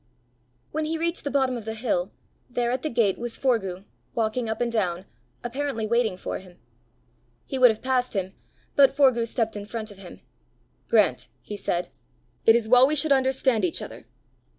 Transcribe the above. When he reached the bottom of the hill, there at the gate was Forgue, walking up and down, apparently waiting for him. He would have passed him, but Forgue stepped in front of him. "Grant," he said, "it is well we should understand each other!"